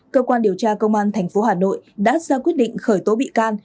cơ quan điều tra công an tp hà nội đã ra quyết định khởi tố bị can